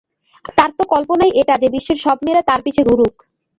তার তো কল্পনাই এটা যে বিশ্বের সব মেয়েরা তার পিছনে ঘুরুক।